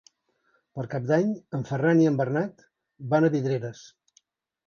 Per Cap d'Any en Ferran i en Bernat van a Vidreres.